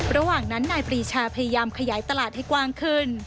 ระหว่างนั้นนายปรีชาพยายามขยายตลาดให้กว้างขึ้น